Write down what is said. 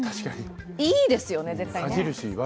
いいですよね、絶対にね。